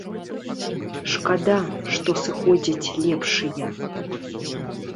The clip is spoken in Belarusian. Шкада, што сыходзяць лепшыя.